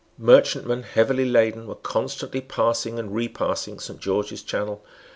Merchantmen heavily laden were constantly passing and repassing Saint George's Channel.